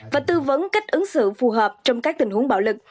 và tư vấn cách ứng xử phù hợp trong các tình huống bạo lực